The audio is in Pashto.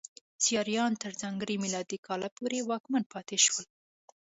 زیاریان تر ځانګړي میلادي کاله پورې واکمن پاتې شول.